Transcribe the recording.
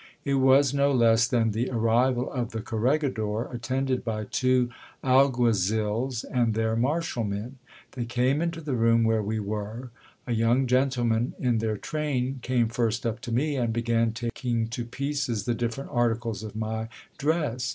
It was no less than the SLrrival of the corregidor, attended by two alguazils and their marshalmen. They came into the room where we were. A young gentleman in their train came first up to me, and began taking to pieces the different articles of my cress.